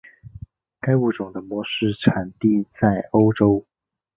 该物种的模式产地在欧洲。